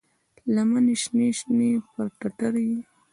لمنې شنې شي پر ټټر یې،